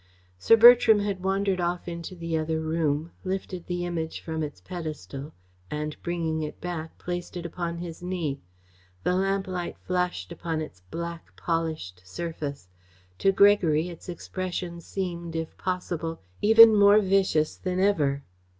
Sir Bertram had wandered off into the other room, lifted the Image from its pedestal and, bringing it back, placed it upon his knee. The lamplight flashed upon its black, polished surface. To Gregory, its expression seemed, if possible, even more vicious than ever.